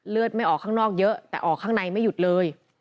เลือดไม่ออกข้างนอกเยอะแต่ออกข้างในไม่หยุดเลย